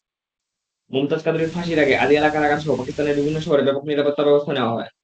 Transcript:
মুমতাজ কাদরির ফাঁসির আগে আদিয়ালা কারাগারসহ পাকিস্তানের বিভিন্ন শহরে ব্যাপক নিরাপত্তাব্যবস্থা নেওয়া হয়।